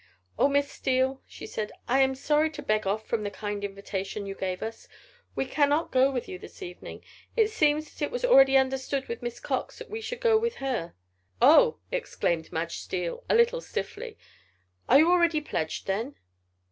"Oh, Miss Steele," she said, "I am sorry to beg off from the kind invitation you gave us. We cannot go with you this evening. It seems that it was already understood with Miss Cox that we should go with her." "Oh!" exclaimed Madge Steele, a little stiffly, "you are already pledged, then?"